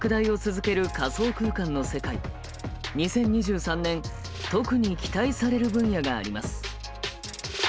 ２０２３年特に期待される分野があります。